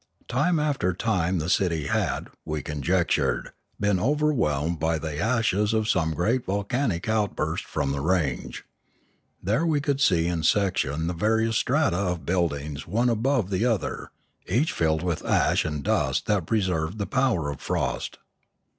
Time after time the city had, we conjectured, been over whelmed by the ashes of some great volcanic outburst from the range. There we could see in section the various strata of buildings one above the other, each filled with ash and dust and preserved by the power of frost.